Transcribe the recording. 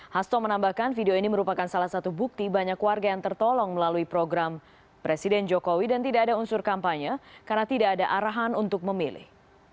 hasto menambahkan video ini merupakan salah satu bukti banyak warga yang tertolong melalui program presiden jokowi dan tidak ada unsur kampanye karena tidak ada arahan untuk memilih